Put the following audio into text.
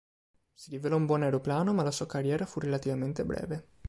Si rivelò un buon aeroplano ma la sua carriera fu relativamente breve.